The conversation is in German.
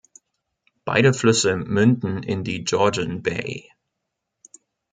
Beide Flüsse münden in die Georgian Bay.